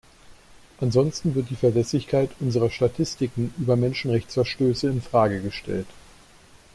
Ansonsten wird die Verlässlichkeit unserer Statistiken über Menschenrechtsverstöße in Frage gestellt.